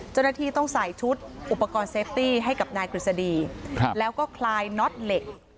เจ้าหน้าที่ต้องใส่ชุดอุปกรณ์เซฟตี้ให้กับนายกฤษฎีแล้วก็คลายน็อตเหล็ก